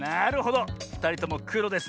ふたりともくろですねえ。